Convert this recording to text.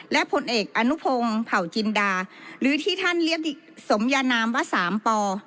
และผลเอกอนุพงศ์เผาจินดาหรือที่ท่านเรียกสมยานามว่าสามป